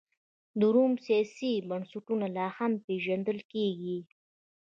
د روم سیاسي بنسټونه لا هم پېژندل کېږي.